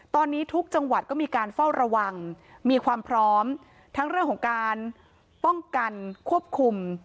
ตอนนี้ทุกจังหวัดก็มีการเฝ้าระวังมีความพร้อมทั้งเรื่องของการป้องกันควบคุม